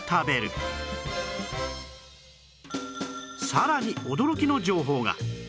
さらに驚きの情報が